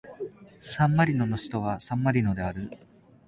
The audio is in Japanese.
サンマリノの首都はサンマリノである